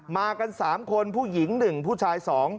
มากัน๓คนผู้หญิง๑ผู้ชาย๒